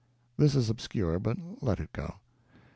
This is obscure, but let it go.